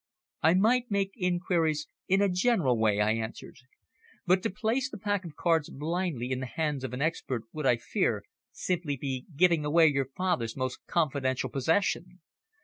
"I might make inquiries in a general way," I answered, "but to place the pack of cards blindly in the hands of an expert would, I fear, simply be giving away your father's most confidential possession.